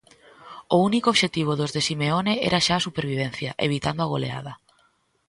O único obxectivo dos de Simeone era xa a supervivencia, evitando a goleada.